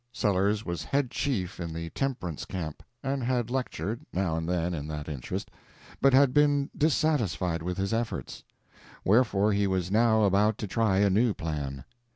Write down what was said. Sellers was head chief in the Temperance camp, and had lectured, now and then in that interest, but had been dissatisfied with his efforts; wherefore he was now about to try a new plan.